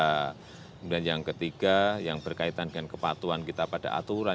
kemudian yang ketiga yang berkaitan dengan kepatuan kita pada aturan